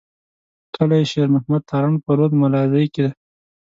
کلي شېر محمد تارڼ په رود ملازۍ کي دی.